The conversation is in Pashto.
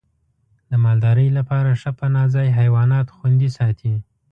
د مالدارۍ لپاره ښه پناه ځای حیوانات خوندي ساتي.